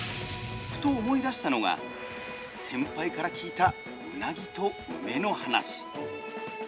ふと、思い出したのが先輩から聞いたうなぎと梅の話。